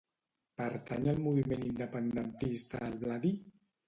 Pertany al moviment independentista el Bladi?